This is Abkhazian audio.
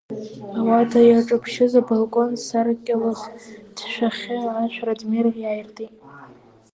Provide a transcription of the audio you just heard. Ауада иаҿаԥшьыз абалкон саркьалых ҭшәахьы ашә Радмир иааиртит.